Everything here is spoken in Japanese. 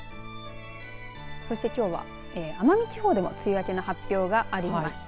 そしてきょうは奄美地方でも梅雨明けの発表がありました。